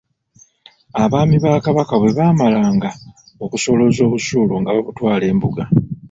Abaami ba Kabaka bwe baamalanga okusolooza obusuulu nga babutwala embuga.